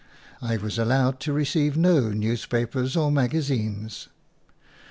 I was allowed to receive no newspapers or magazines.